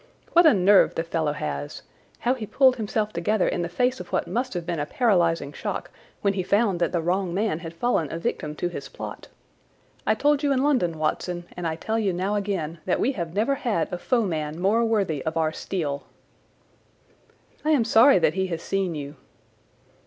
"What a nerve the fellow has! How he pulled himself together in the face of what must have been a paralyzing shock when he found that the wrong man had fallen a victim to his plot. I told you in London, Watson, and I tell you now again, that we have never had a foeman more worthy of our steel." "I am sorry that he has seen you."